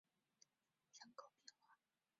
特讷伊人口变化图示